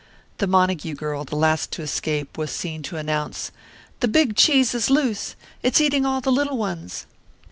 The Montague girl, the last to escape, was seen to announce, "The big cheese is loose it's eating all the little ones!"